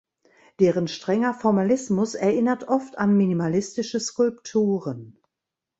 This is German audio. Deren strenger Formalismus erinnert oft an minimalistische Skulpturen.